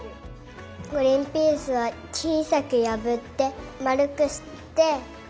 グリンピースはちいさくやぶってまるくして。